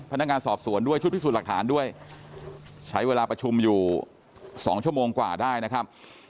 พนักงานสอบสวนด้วยชุดพิสูจน์หลักฐานด้วยใช้เวลาประชุมอยู่๒ชั่วโมงกว่าได้นะครับ